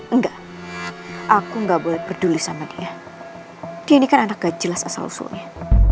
enggak aku nggak boleh peduli sama dia dia ini kan anak gak jelas asal usulnya